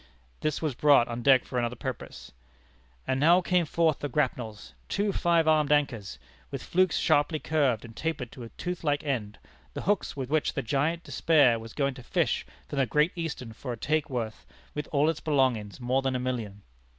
This was brought on deck for another purpose. "And now came forth the grapnels, two five armed anchors, with flukes sharply curved and tapered to a tooth like end the hooks with which the Giant Despair was going to fish from the Great Eastern for a take worth, with all its belongings, more than a million."